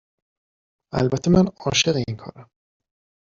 البته من عاشق این کارم